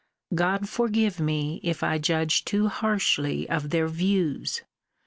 God forgive me, if I judge too harshly of their views!